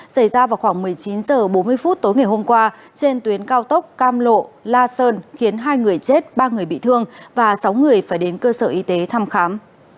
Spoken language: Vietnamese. xảy ra vào khoảng một mươi chín h bốn mươi phút tối ngày hôm qua trên tuyến cao tốc cam lộ la sơn khiến hai người chết ba người bị thương và sáu người phải đến cơ sở y tế thăm khám